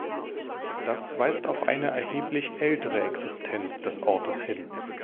Das weist auf eine erheblich ältere Existenz des Ortes hin.